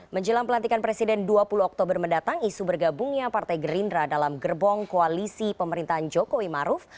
menjelang pelantikan presiden dua puluh oktober mendatang isu bergabungnya partai gerindra dalam gerbong koalisi pemerintahan jokowi maruf